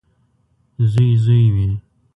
• زوی زوی وي.